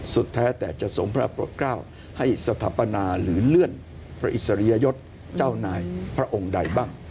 แท้แต่จะส่งพระปลดกล้าวให้สถาปนาหรือเลื่อนพระอิสริยยศเจ้านายพระองค์ใดบ้าง